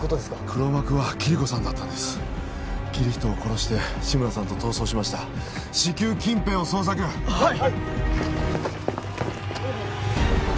黒幕はキリコさんだったんですキリヒトを殺して志村さんと逃走しました至急近辺を捜索はい！